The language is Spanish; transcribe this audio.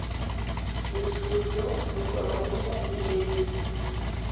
Estudió economía y leyes.